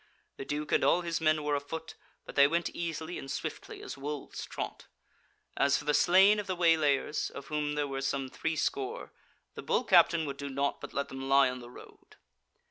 The Duke and all his men were afoot, but they went easily and swiftly, as wolves trot. As for the slain of the waylayers, of whom there were some threescore, the Bull captain would do nought but let them lie on the road.